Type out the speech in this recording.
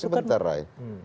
tapi sebentar rai